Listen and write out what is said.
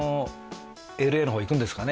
「Ｌ．Ａ．の方行くんですかね」